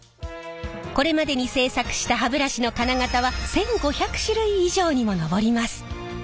これまでに製作した歯ブラシの金型は１，５００種類以上にも上ります。